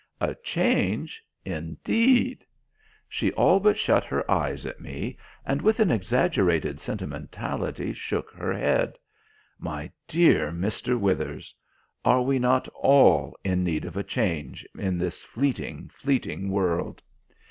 "A change! Indeed?" She all but shut her eyes at me and with an exaggerated sentimentality shook her head. "My dear Mr. Withers! Are we not all in need of a change in this fleeting, fleeting world?"